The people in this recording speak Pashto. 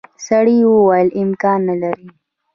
سړي وویل امکان نه لري.